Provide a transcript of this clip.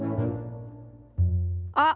「あっ！